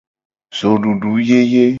Zodudu yeye.